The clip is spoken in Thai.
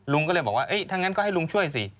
ลุงก็เลยบอกว่าถ้างั้นก็ให้ลุงช่วยสิ